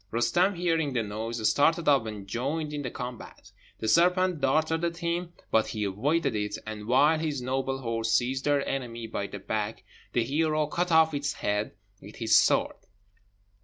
Roostem, hearing the noise, started up and joined in the combat. The serpent darted at him, but he avoided it, and, while his noble horse seized their enemy by the back, the hero cut off its head with his sword.